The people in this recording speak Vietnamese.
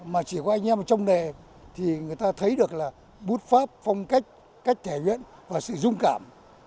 mà chỉ có anh em trong đề thì người ta thấy được là bút pháp phong cách cách thể hiện và sự dung cảm